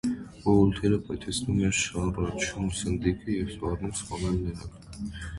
Ուոլթերը պայթեցնում է շառաչուն սնդիկը և սպառնում սպանել նրան։